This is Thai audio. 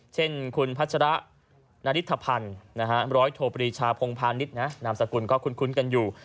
เช่นคุณพัชระนาริธภัณฑ์ร้อยโทปรีชาพงพาณิชย์นามสกุลก็คุ้นกันอยู่